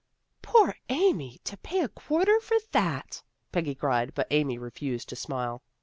" Poor Amy! To pay a quarter for that!" Peggy cried, but Amy refused to smile.